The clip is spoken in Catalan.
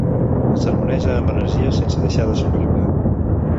El sermoneja amb energia sense deixar de somriure.